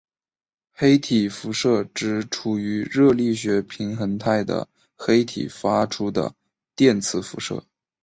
黑体辐射指处于热力学平衡态的黑体发出的电磁辐射。